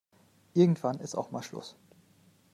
Irgendwann ist auch mal Schluss.